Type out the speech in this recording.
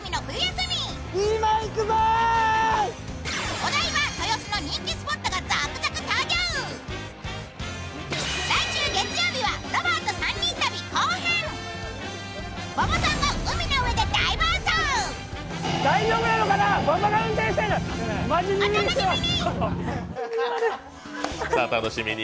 お楽しみに！